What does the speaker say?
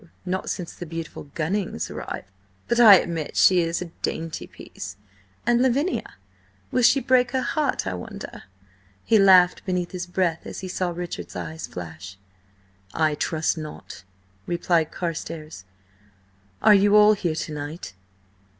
Not since the beautiful Gunnings' arrival. But I admit she is a dainty piece. And Lavinia? Will she break her heart, I wonder?" He laughed beneath his breath as he saw Richard's eyes flash. "I trust not," replied Carstares. "Are you all here to night?"